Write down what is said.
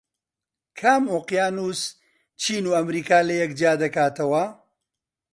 کام ئۆقیانوس چین و ئەمریکا لەیەک جیا دەکاتەوە؟